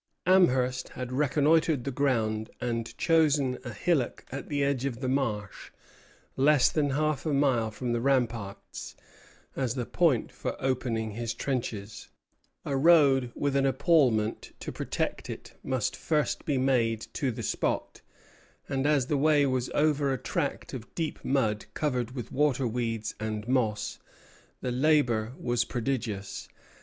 Amherst had reconnoitred the ground and chosen a hillock at the edge of the marsh, less than half a mile from the ramparts, as the point for opening his trenches. A road with an epaulement to protect it must first be made to the spot; and as the way was over a tract of deep mud covered with water weeds and moss, the labor was prodigious.